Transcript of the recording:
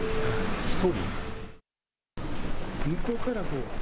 １人？